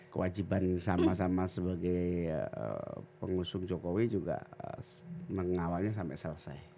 kewajiban sama sama sebagai pengusung jokowi juga mengawalnya sampai selesai